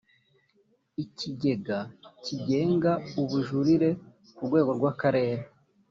ikigega kigenga ubujurire ku rwego rw’akarere